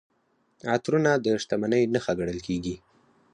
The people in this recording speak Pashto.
عطرونه د شتمنۍ نښه ګڼل کیږي.